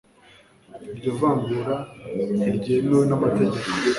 iryo vangura ntiryemewe n'amategeko